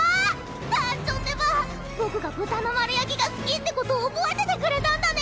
団長ってば僕が豚の丸焼きが好きってこと覚えててくれたんだね。